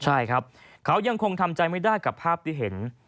ใช่ครับเขายังคงทำใจไม่ได้กับภาพที่เห็น